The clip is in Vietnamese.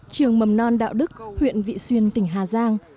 trường mầm non đạo đức huyện vị xuyên tỉnh hà giang